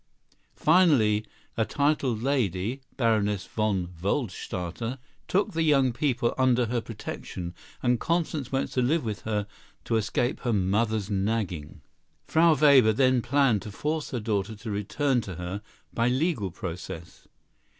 Finally a titled lady, Baroness von Waldstadter, took the young people under her protection, and Constance went to live with her to escape her mother's nagging. Frau Weber then planned to force her daughter to return to her by legal process.